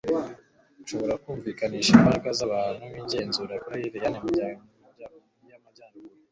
nshobora kumvikanisha imbaga y'abantu igenzura kuri laine y'amajyaruguru